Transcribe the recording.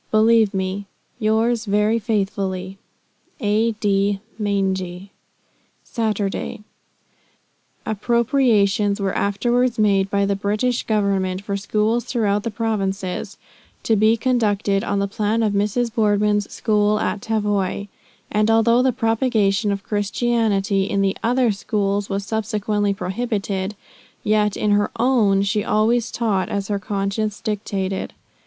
Believe me, "Yours very faithfully, "A.D. Maingy "Saturday." Appropriations were afterward made by the British government for schools throughout the Provinces "to be conducted on the plan of Mrs. Boardman's schools at Tavoy;" and although the propagation of Christianity in the other schools was subsequently prohibited, yet in her own, she always taught as her conscience dictated.